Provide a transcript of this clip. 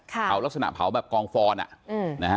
เอารักษณะเผาแบบกองฟอน